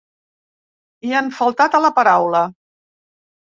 I han faltat a la paraula.